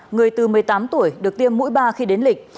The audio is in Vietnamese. người từ một mươi tám tuổi được tiêm mũi ba khi đến lịch